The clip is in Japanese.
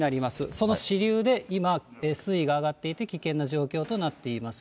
その支流で今、水位が上がっていて、危険な状況となっています。